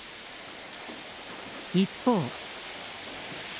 一方。